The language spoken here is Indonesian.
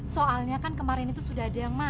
soalnya kan kemarin itu sudah ada yang mak